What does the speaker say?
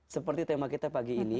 seperti tema kita pagi ini